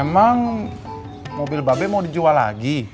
emang mobil babe mau dijual lagi